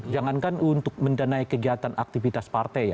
jangan kan untuk mendanai kegiatan aktivitas partai